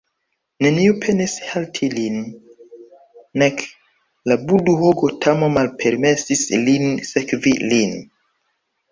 Neniu penis halti lin, nek la budho Gotamo malpermesis lin sekvi lin.